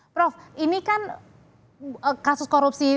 prof ini kan kasus korupsi